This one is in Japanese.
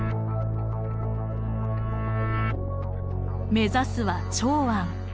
目指すは長安。